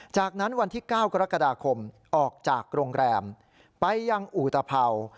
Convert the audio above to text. จากนั้นวันที่๙กรกฎาคมออกจากโรงแรมไปยังอุตภัวร์